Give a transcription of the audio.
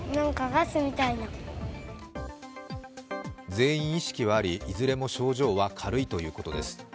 全員意識はあり、いずれも症状は軽いということです。